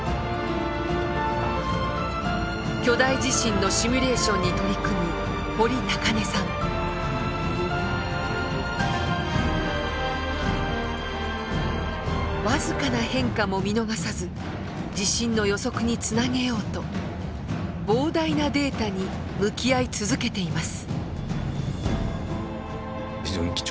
巨大地震のシミュレーションに取り組む僅かな変化も見逃さず地震の予測につなげようと膨大なデータに向き合い続けています。